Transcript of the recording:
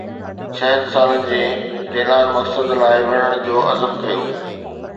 ڇهن سالن جي ڊيلان مقصد لاءِ وڙهڻ جو عزم ڪيو.